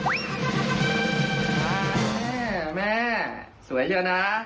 อ่าแม่สวยนะ